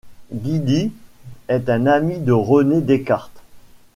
Guidi est un ami de René Descartes.